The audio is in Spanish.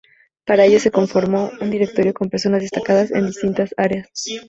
Para ello se conformó un directorio con personas destacadas en distintas áreas.